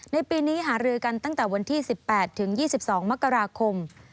ในปีนี้หารือกันตั้งแต่วันที่๑๘ถึง๒๒มกราคม